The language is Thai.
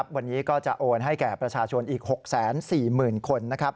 วันนี้ก็จะโอนให้แก่ประชาชนอีก๖๔๐๐๐คน